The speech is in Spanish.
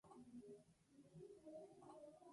Tras la derrota, se refugió en Sucre, Bolivia.